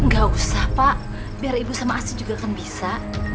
gak usah pak biar ibu sama asi juga kan bisa